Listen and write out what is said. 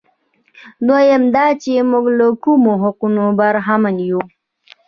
دویم دا چې موږ له کومو حقوقو برخمن یو.